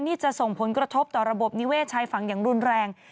นี่จะส่งผลกระทบต่อระบบนิเวศชายฝั่งอย่างรุนแรง